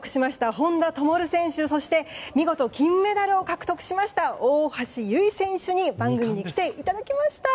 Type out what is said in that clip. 本多灯選手そして見事金メダルを獲得しました大橋悠依選手に番組に来ていただきました。